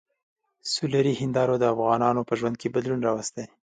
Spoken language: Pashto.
سولري هندارو د افغانانو په ژوند کې بدلون راوستی.